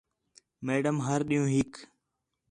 میڈم ہر ݙِین٘ہوں ہِک